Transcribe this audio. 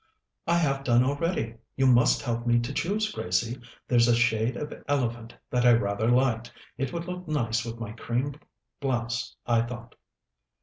"I have done already. You must help me to choose, Gracie. There's a shade of elephant that I rather liked; it would look nice with my cream blouse, I thought."